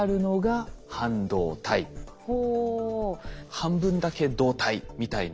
半分だけ導体みたいな。